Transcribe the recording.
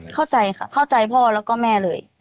เข้าใจค่ะเข้าใจพ่อแล้วก็แม่เลย